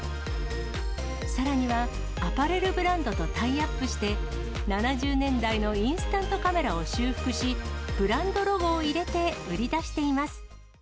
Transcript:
さらには、アパレルブランドとタイアップして、７０年代のインスタントカメラを修復し、ブランドロゴを入れて売り出しています。